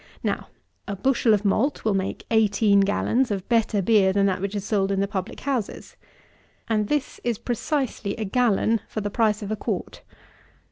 Now, a bushel of malt will make eighteen gallons of better beer than that which is sold at the public houses. And this is precisely a gallon for the price of a quart.